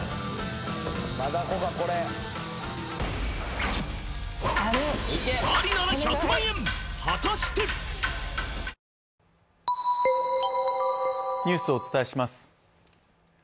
真ダコかこれ果たしてニュースをお伝えします